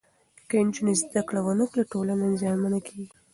که نجونې زدهکړه ونکړي، ټولنه زیانمنه کېږي.